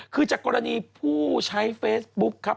คือจากกรณีผู้ใช้เฟซบุ๊คครับ